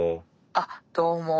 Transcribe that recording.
あっどうも。